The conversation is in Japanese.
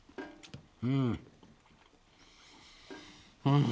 うん。